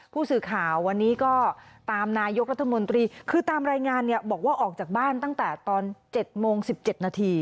ผู้สื่อข่าววันนี้ก็ตามนายกรัฐมนตรีคือตามรายงานเนี่ยบอกว่าออกจากบ้านตั้งแต่ตอน๗โมง๑๗นาที